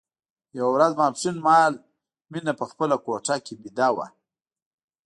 یوه ورځ ماسپښين مهال مينه په خپله کوټه کې ويده وه